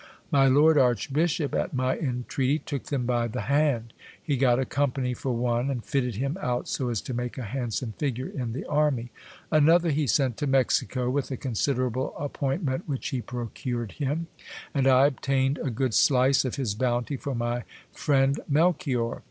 My lord archbishop, at my entreaty, took them by the hand He got a company for one, and fitted him out so as to make a handsome figure in the army. Another he sent to Mexico, with a considerable appointment which he procured him ; and I obtained a good slice of his bounty for my friend Mel chior.